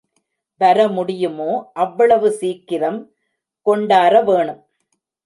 வர முடியுமோ அவ்வளவு சீக்கிரம் கொண்டார வேணும்.